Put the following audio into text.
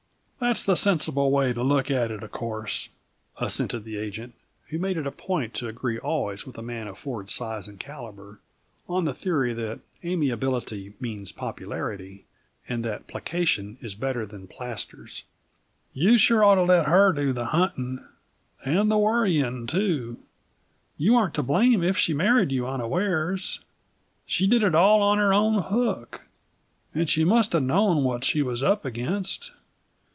"That's the sensible way to look at it, of course," assented the agent, who made it a point to agree always with a man of Ford's size and caliber, on the theory that amiability means popularity, and that placation is better than plasters. "You sure ought to let her do the hunting and the worrying, too. You aren't to blame if she married you unawares. She did it all on her own hook and she must have known what she was up against."